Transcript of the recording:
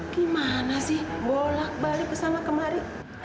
gimana sih bolak balik ke sana kemari